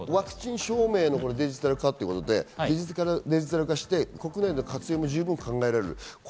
ワクチン証明のデジタル化ということで、デジタル化して国内での活用も十分に考えられる。